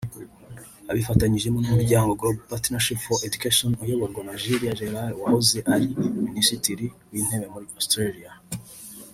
abifatanyijemo n’umuryango ’Global Partnership for Education’ uyoborwa na Julia Gillard wahoze ari Minisitiri w’Intebe muri Australia